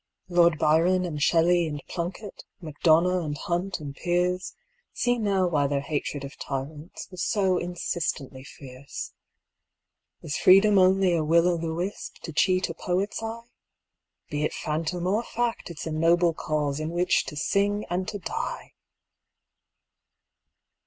Lord Byron and Shelley and Plunkett, McDonough and Hunt and Pearse See now why their hatred of tyrants Was so insistently fierce. Is Freedom only a Will o' the wisp To cheat a poet's eye? Be it phantom or fact, it's a noble cause In which to sing and to die!